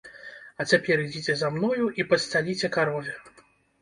А цяпер ідзіце за мною і падсцяліце карове!